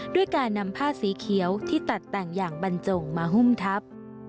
ด้วยการนำผ้าสีเขียวที่ตัดแต่งอย่างบรรจงมาหุ้มทับ